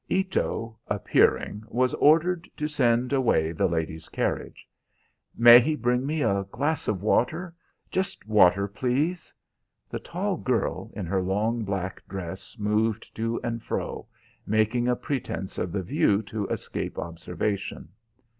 Ito, appearing, was ordered to send away the lady's carriage. "May he bring me a glass of water? Just water, please." The tall girl, in her long black dress, moved to and fro, making a pretense of the view to escape observation.